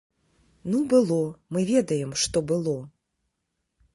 Ну, было, мы ведаем, што было.